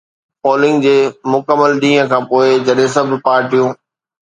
polling جي مڪمل ڏينهن کان پوء، جڏهن سڀ پارٽيون